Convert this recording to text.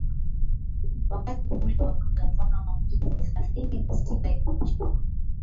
wakati ule wa magavana wa majimbo thelathini na sita ya nchi hiyo